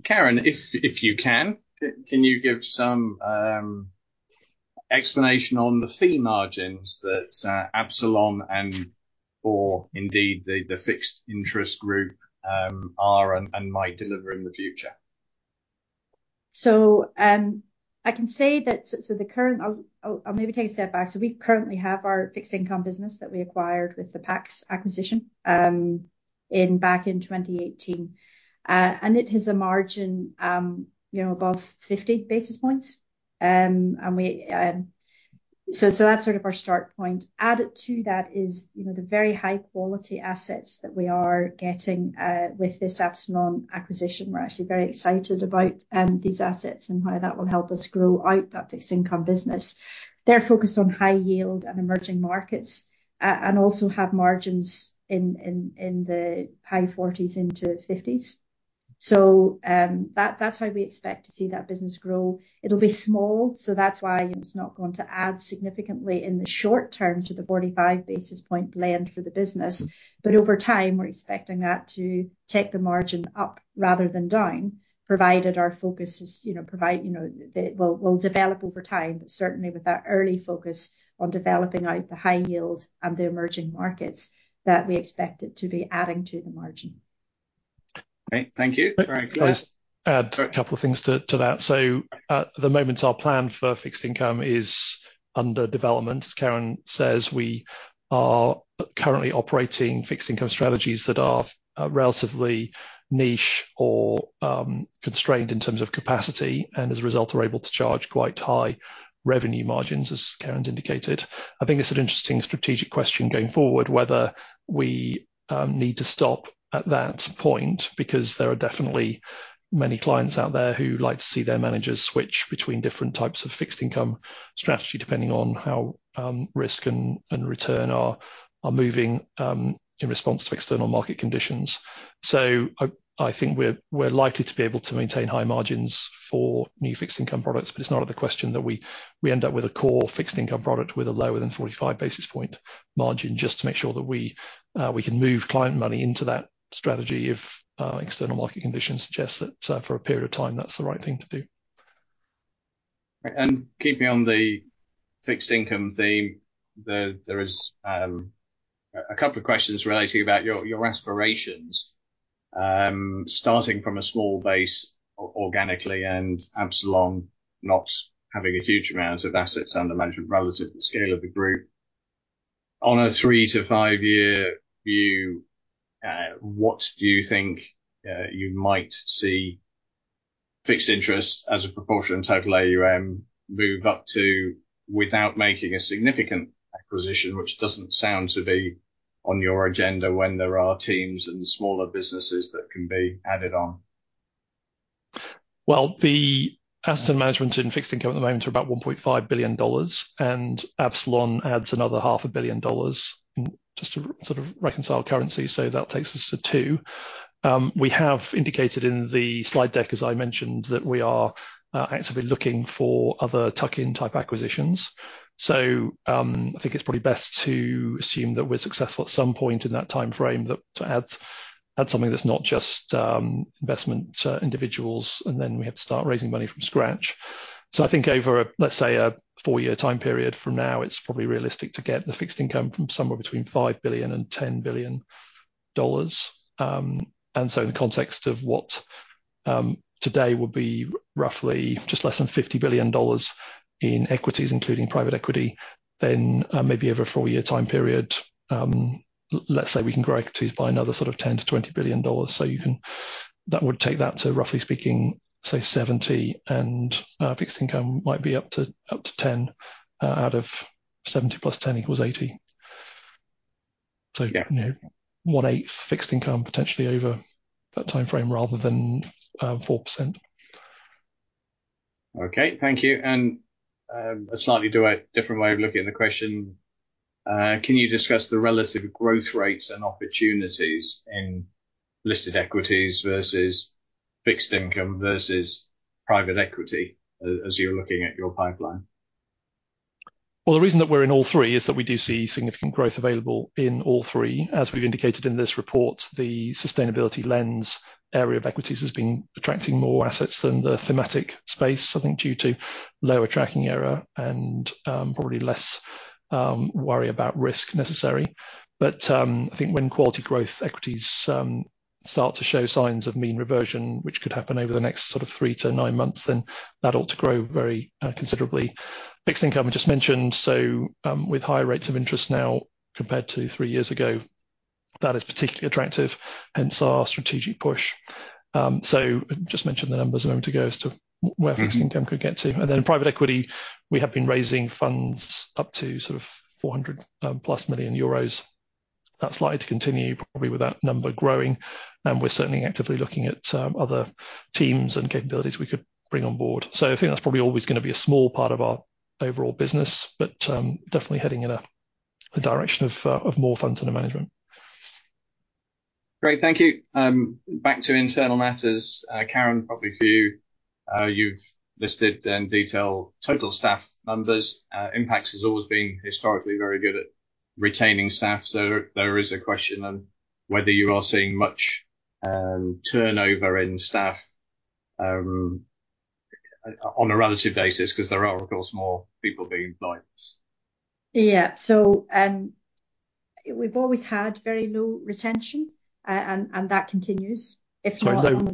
Speaker 1: Karen, if you can, can you give some explanation on the fee margins that Absalon and or indeed, the fixed interest group, are and might deliver in the future?
Speaker 3: So, I can say that... So, the current, I'll maybe take a step back. So we currently have our fixed income business that we acquired with the Pax acquisition, in, back in 2018. And it has a margin, you know, above 50 basis points. And we... So, that's sort of our start point. Added to that is, you know, the very high-quality assets that we are getting, with this Absalon acquisition. We're actually very excited about, these assets and how that will help us grow out that fixed income business. They're focused on high yield and emerging markets, and also have margins in, the high 40s into 50s. So, that, that's why we expect to see that business grow. It'll be small, so that's why it's not going to add significantly in the short term to the 45 basis point blend for the business. But over time, we're expecting that to take the margin up rather than down, provided our focus is, you know, provide, you know, that we'll, we'll develop over time. But certainly with that early focus on developing out the high yield and the emerging markets, that we expect it to be adding to the margin.
Speaker 1: Okay. Thank you.
Speaker 2: Can I just add a couple of things to that? So at the moment, our plan for fixed income is under development. As Karen says, we are currently operating fixed income strategies that are relatively niche or constrained in terms of capacity, and as a result, are able to charge quite high revenue margins, as Karen's indicated. I think it's an interesting strategic question going forward, whether we need to stop at that point, because there are definitely many clients out there who like to see their managers switch between different types of fixed income strategy, depending on how risk and return are moving in response to external market conditions. I think we're likely to be able to maintain high margins for new fixed income products, but it's not out of the question that we end up with a core fixed income product with a lower than 45 basis point margin, just to make sure that we can move client money into that strategy if external market conditions suggest that for a period of time, that's the right thing to do.
Speaker 1: Keeping on the fixed income theme, there is a couple of questions relating about your, your aspirations. Starting from a small base, organically, and Absalon not having a huge amount of assets under management relative to the scale of the group, on a three to five-year view, what do you think you might see fixed interest as a proportion of total AUM move up to, without making a significant acquisition, which doesn't sound to be on your agenda when there are teams and smaller businesses that can be added on?
Speaker 2: Well, the assets and management in fixed income at the moment are about $1.5 billion, and Absalon adds another $0.5 billion. Just to sort of reconcile currency, so that takes us to $2 billion. We have indicated in the slide deck, as I mentioned, that we are actively looking for other tuck-in type acquisitions. So, I think it's probably best to assume that we're successful at some point in that time frame, to add something that's not just investment individuals, and then we have to start raising money from scratch. So I think over a, let's say, a four-year time period from now, it's probably realistic to get the fixed income from somewhere between $5 billion and $10 billion. And so in the context of what today would be roughly just less than $50 billion in equities, including private equity, then maybe over a four-year time period, let's say we can grow equities by another sort of $10 billion-$20 billion. So you can, that would take that to, roughly speaking, say, $70, and fixed income might be up to, up to $10, out of $70 + $10 =$ 80.
Speaker 1: Yeah.
Speaker 2: So, you know, 1/8 fixed income potentially over that timeframe, rather than 4%.
Speaker 1: Okay, thank you. And, a slightly different way of looking at the question, can you discuss the relative growth rates and opportunities in listed equities versus fixed income versus private equity as you're looking at your pipeline?
Speaker 2: Well, the reason that we're in all three is that we do see significant growth available in all three. As we've indicated in this report, the Sustainability Lens area of equities has been attracting more assets than the thematic space, I think due to lower tracking error and, probably less, worry about risk necessary. But, I think when quality growth equities, start to show signs of mean reversion, which could happen over the next sort of three to nine months, then that ought to grow very, considerably. Fixed income, I just mentioned, so, with higher rates of interest now compared to three years ago, that is particularly attractive, hence our strategic push. So just mention the numbers a moment ago as to where fixed income could get to.
Speaker 1: Mm-hmm.
Speaker 2: And then private equity, we have been raising funds up to sort of 400+ million euros. That's likely to continue, probably with that number growing, and we're certainly actively looking at other teams and capabilities we could bring on board. So I think that's probably always gonna be a small part of our overall business, but definitely heading in a direction of more funds under management.
Speaker 1: Great, thank you. Back to internal matters. Karen, probably for you, you've listed in detail total staff numbers. Impax has always been historically very good at retaining staff, so there is a question on whether you are seeing much turnover in staff on a relative basis, 'cause there are, of course, more people being employed.
Speaker 3: Yeah. So, we've always had very low retention, and that continues. If not-
Speaker 2: Sorry,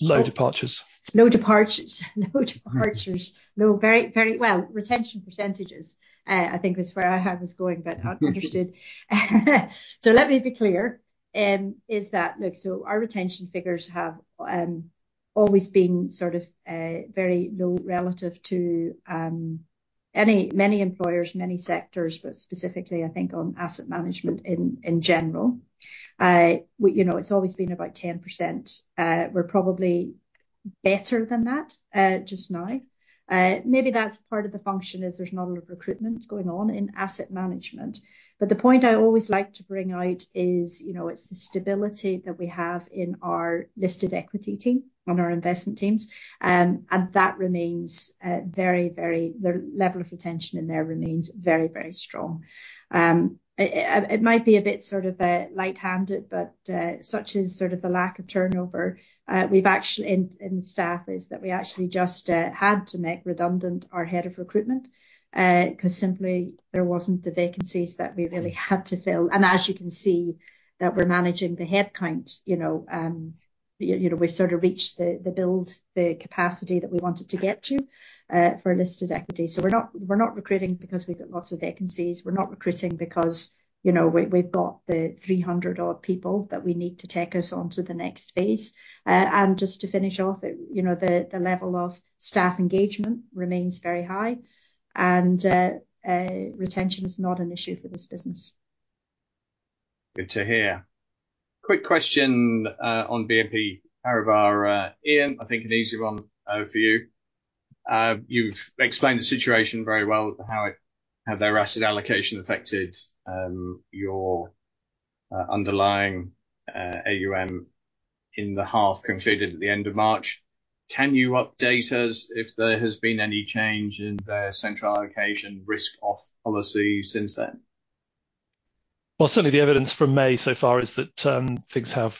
Speaker 2: low, low departures.
Speaker 3: No departures. No departures. No, very, very... Well, retention percentages, I think is where I had was going, but not understood.
Speaker 2: Mm-hmm.
Speaker 3: So let me be clear. Look, our retention figures have always been sort of very low relative to many employers, many sectors, but specifically, I think, in asset management in general. You know, it's always been about 10%. We're probably better than that just now. Maybe that's part of the function, is there's not a lot of recruitment going on in asset management. But the point I always like to bring out is, you know, it's the stability that we have in our listed equity team and our investment teams. And that remains very, very... The level of retention in there remains very, very strong. It might be a bit sort of light-handed, but such is sort of the lack of turnover. We've actually just had to make redundant our head of recruitment, 'cause simply there wasn't the vacancies that we really had to fill. And as you can see, that we're managing the headcount, you know, we've sort of reached the build, the capacity that we wanted to get to, for a listed equity. So we're not recruiting because we've got lots of vacancies. We're not recruiting because, you know, we've got the 300-odd people that we need to take us on to the next phase. And just to finish off, you know, the level of staff engagement remains very high, and retention is not an issue for this business.
Speaker 1: Good to hear. Quick question, on BNP Paribas, Ian, I think an easy one, for you. You've explained the situation very well, how it, how their asset allocation affected, your, underlying, AUM in the half concluded at the end of March. Can you update us if there has been any change in their central allocation risk off policy since then?
Speaker 2: Well, certainly the evidence from May so far is that, things have,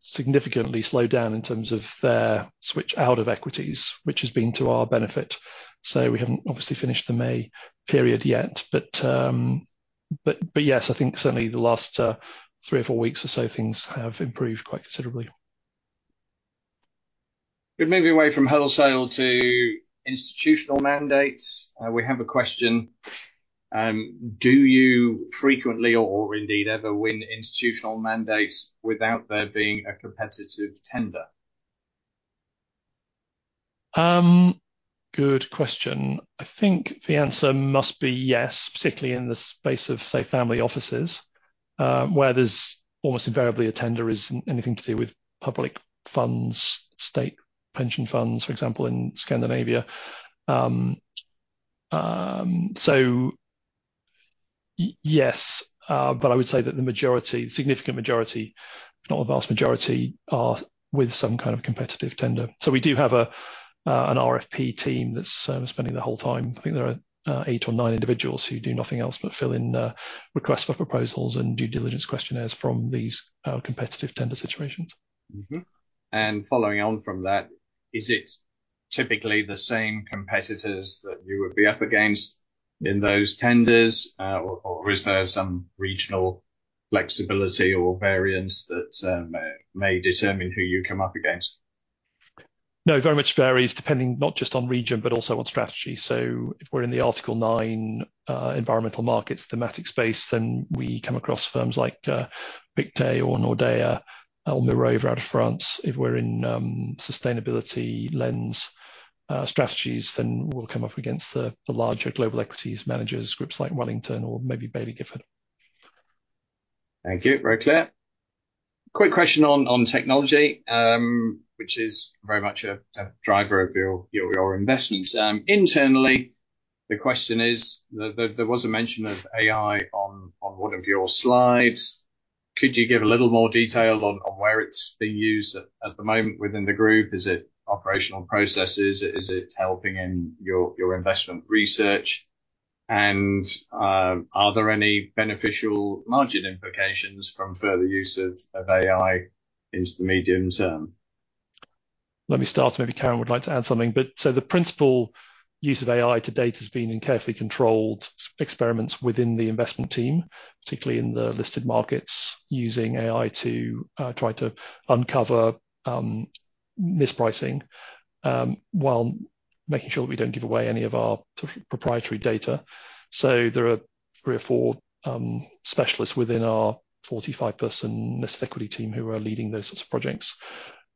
Speaker 2: significantly slowed down in terms of their switch out of equities, which has been to our benefit. So we haven't obviously finished the May period yet, but, but, but yes, I think certainly the last, three or four weeks or so, things have improved quite considerably.
Speaker 1: We're moving away from wholesale to institutional mandates. We have a question: Do you frequently or indeed ever win institutional mandates without there being a competitive tender?
Speaker 2: Good question. I think the answer must be yes, particularly in the space of, say, family offices, where there's almost invariably a tender is anything to do with public funds, state pension funds, for example, in Scandinavia. So yes, but I would say that the majority, significant majority, if not a vast majority, are with some kind of competitive tender. So we do have an RFP team that's spending their whole time. I think there are eight or nine individuals who do nothing else but fill in requests for proposals and due diligence questionnaires from these competitive tender situations.
Speaker 1: Mm-hmm. Following on from that, is it typically the same competitors that you would be up against in those tenders, or is there some regional flexibility or variance that may determine who you come up against?
Speaker 2: No, very much varies, depending not just on region, but also on strategy. So if we're in the Article 9, Environmental Markets, thematic space, then we come across firms like Pictet or Nordea, or Mirova out of France. If we're in Sustainability Lens strategies, then we'll come up against the larger global equities managers, groups like Wellington or maybe Baillie Gifford.
Speaker 1: Thank you. Very clear. Quick question on, on technology, which is very much a, a driver of your, your investments. Internally, the question is, there, there was a mention of AI on, on one of your slides. Could you give a little more detail on, on where it's being used at, at the moment within the group? Is it operational processes? Is it helping in your, your investment research? And, are there any beneficial margin implications from further use of, of AI into the medium term?
Speaker 2: Let me start, maybe Karen would like to add something. But so the principal use of AI to date has been in carefully controlled experiments within the investment team, particularly in the listed markets, using AI to try to uncover mispricing while making sure that we don't give away any of our proprietary data. So there are three or four specialists within our 45-person equity team who are leading those sorts of projects.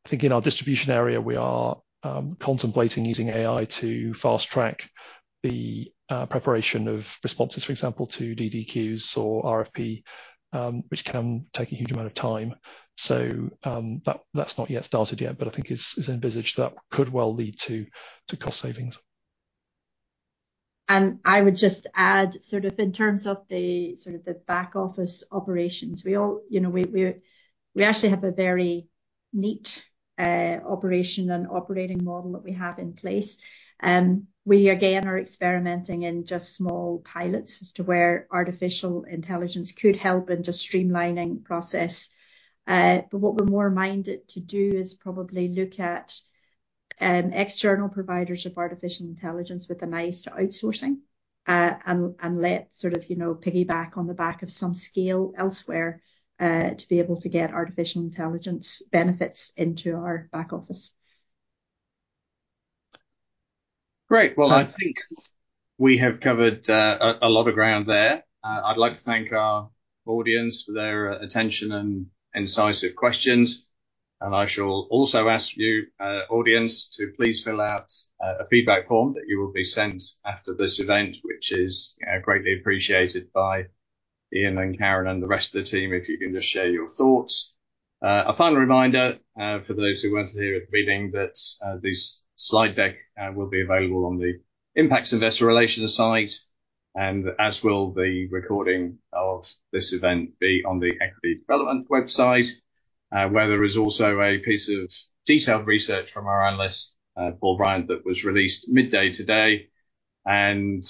Speaker 2: I think in our distribution area, we are contemplating using AI to fast-track the preparation of responses, for example, to DDQs or RFPs, which can take a huge amount of time. So that that's not yet started yet, but I think is envisaged that could well lead to cost savings.
Speaker 3: And I would just add, sort of in terms of the, sort of the back office operations, we all, you know, we actually have a very neat operation and operating model that we have in place. We again are experimenting in just small pilots as to where artificial intelligence could help in just streamlining process. But what we're more minded to do is probably look at external providers of artificial intelligence with an eye to outsourcing, and let sort of, you know, piggyback on the back of some scale elsewhere to be able to get artificial intelligence benefits into our back office.
Speaker 1: Great. Well, I think we have covered a lot of ground there. I'd like to thank our audience for their attention and incisive questions, and I shall also ask you, audience, to please fill out a feedback form that you will be sent after this event, which is greatly appreciated by Ian and Karen and the rest of the team, if you can just share your thoughts. A final reminder for those who weren't here at the beginning, that this slide deck will be available on the Impax's investor relations site, and as will the recording of this event be on the Equity Development website, where there is also a piece of detailed research from our analyst, Paul Bryant, that was released midday today. I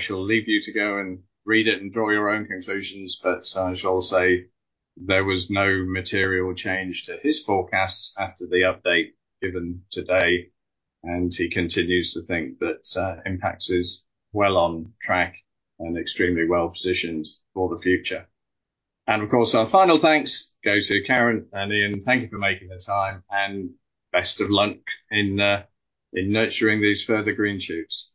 Speaker 1: shall leave you to go and read it and draw your own conclusions, but, I shall say there was no material change to his forecasts after the update given today, and he continues to think that, Impax is well on track and extremely well positioned for the future. Of course, our final thanks go to Karen and Ian. Thank you for making the time, and best of luck in, in nurturing these further green shoots.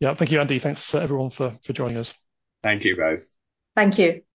Speaker 2: Yeah. Thank you, Andy. Thanks to everyone for joining us.
Speaker 1: Thank you, guys.
Speaker 3: Thank you.